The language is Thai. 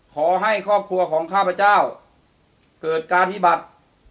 ขอให้ครอบครัวของข้าพเจ้าเกิดการพิบัติ